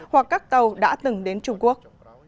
hoặc các tàu đã từng đến trung quốc